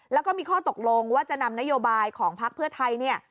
แล้วก็มีข้อตกลงว่าจะนำนโยบายของพักเพื่อไทยเนี่ย